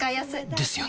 ですよね